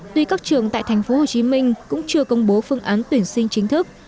tuy các trường tại tp hcm cũng chưa công bố phương án tuyển sinh chính thức